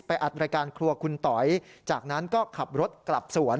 อัดรายการครัวคุณต๋อยจากนั้นก็ขับรถกลับสวน